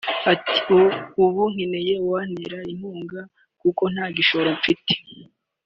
Ati “Ubu nkeneye uwantera inkunga kuko nta gishoro mfite